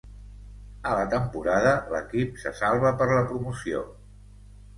A la temporada l'equip se salva per la promoció.